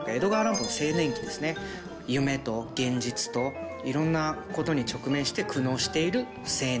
夢と現実といろんなことに直面して苦悩している青年。